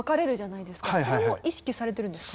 それも意識されてるんですか？